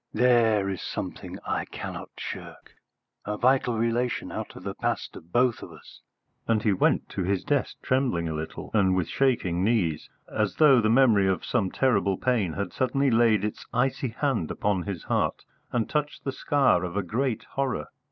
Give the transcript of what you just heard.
"There is something I cannot shirk a vital relation out of the past of both of us." And he went to his desk trembling a little, and with shaking knees, as though the memory of some terrible pain had suddenly laid its icy hand upon his heart and touched the scar of a great horror.